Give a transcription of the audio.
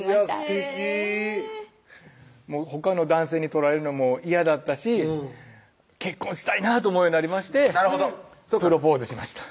すてきほかの男性に取られるのも嫌だったし結婚したいなと思うようになりましてプロポーズしました